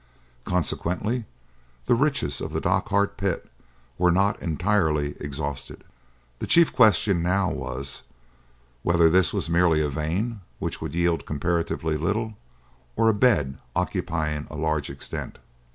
Consequently, the riches of the Dochart pit were not entirely exhausted. The chief question now was, whether this was merely a vein which would yield comparatively little, or a bed occupying a large extent.